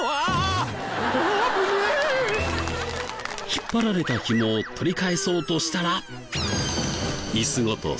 引っ張られたひもを取り返そうとしたら。